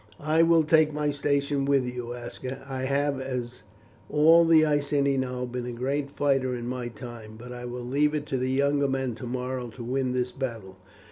"I will take my station with you," Aska said; "I have, as all the Iceni know, been a great fighter in my time; but I will leave it to the younger men tomorrow to win this battle.